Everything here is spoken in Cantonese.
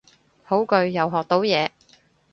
好句，又學到嘢